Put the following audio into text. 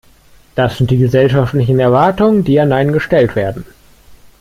Das sind die gesellschaftlichen Erwartungen, die an einen gestellt werden.